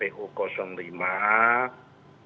dan ada rancangan dan perhatiannya di nu